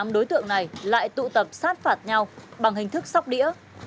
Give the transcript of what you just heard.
hai mươi tám đối tượng này lại tụ tập sát phạt nhau bằng hình thức sóc đĩa